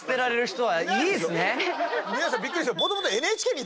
皆さんびっくりして。